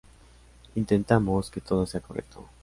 Intentamos que todo sea correcto.